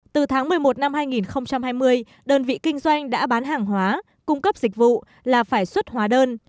từ tháng một mươi một năm hai nghìn hai mươi đơn vị kinh doanh đã bán hàng hóa cung cấp dịch vụ là phải xuất hóa đơn